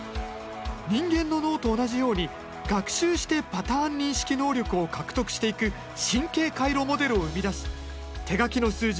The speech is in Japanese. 人間の脳と同じように学習してパターン認識能力を獲得していく神経回路モデルを生み出し手書きの数字